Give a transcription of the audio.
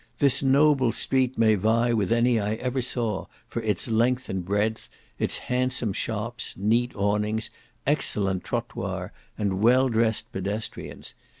This noble street may vie with any I ever saw, for its length and breadth, its handsome shops, neat awnings, excellent trottoir, and well dressed pedestrians.